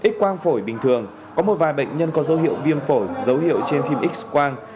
x quang phổi bình thường có một vài bệnh nhân có dấu hiệu viêm phổi dấu hiệu trên phim x quang